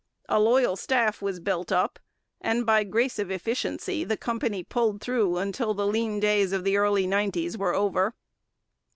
A loyal staff was built up, and by grace of efficiency the company pulled through until the lean days of the early nineties were over.